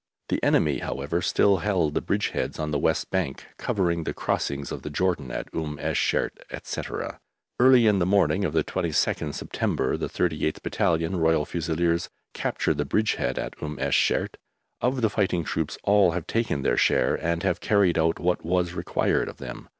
The enemy, however, still held the bridgeheads on the west bank, covering the crossings of the Jordan at Umm es Shert, etc. Early in the morning of the 22nd September, the 38th Battalion Royal Fusiliers captured the bridgehead at Umm es Shert. Of the fighting troops, all have taken their share and have carried out what was required of them.